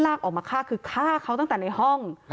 กลุ่มวัยรุ่นกลัวว่าจะไม่ได้รับความเป็นธรรมทางด้านคดีจะคืบหน้า